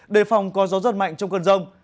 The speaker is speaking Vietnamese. đề phòng có gió rất mạnh trong cơn rông